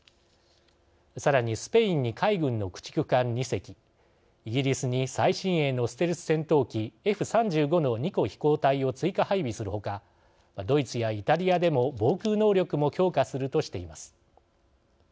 さらに、スペインに海軍の駆逐艦２隻イギリスに最新鋭のステルス戦闘機Ｆ３５の２個飛行隊を追加配備するほかドイツやイタリアでも防空能力も強化するとしています。